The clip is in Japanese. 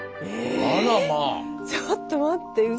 ええ⁉ちょっと待って。